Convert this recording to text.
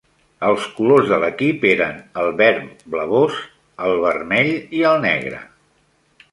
Els colors de l'equip eren el verb blavós, el vermell i el negre.